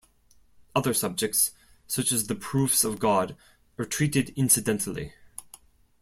Other subjects, such as the proofs of God, are treated incidentally.